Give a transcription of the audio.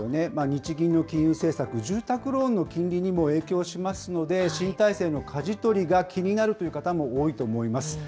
日銀の金融政策、住宅ローンの金利にも影響しますので、新体制のかじ取りが気になるという方も多いと思います。